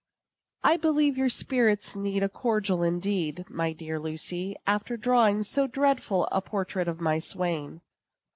I believe your spirits need a cordial indeed, my dear Lucy, after drawing so dreadful a portrait of my swain.